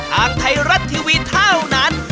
ทางไทยรัฐทีวีเท่านั้น